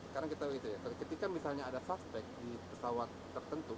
ketika misalnya ada suspek di pesawat tertentu